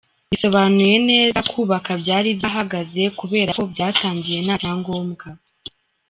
Mbisobanuye neza, kubaka byari byahagaze kubera ko byatangiye nta cyangombwa.